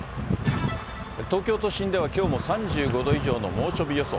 東京都心ではきょうも３５度以上の猛暑日予想。